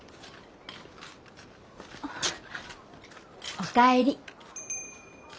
お帰り。